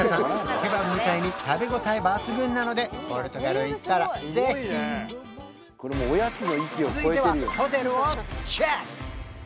ケバブみたいに食べ応え抜群なのでポルトガルへ行ったらぜひ続いてはホテルをチェック！